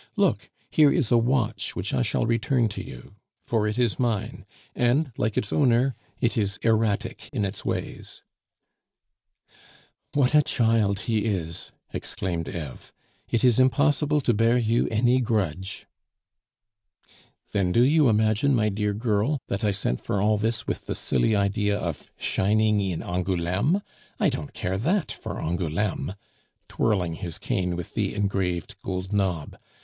Look, here is a watch which I shall return to you, for it is mine; and, like its owner, it is erratic in its ways." "What a child he is!" exclaimed Eve. "It is impossible to bear you any grudge." "Then do you imagine, my dear girl, that I sent for all this with the silly idea of shining in Angouleme? I don't care that for Angouleme" (twirling his cane with the engraved gold knob).